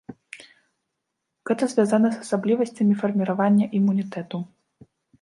Гэта звязана з асаблівасцямі фарміравання імунітэту.